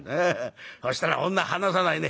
そしたら女離さないね。